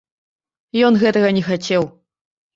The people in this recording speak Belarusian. Ён гэтага не хацеў.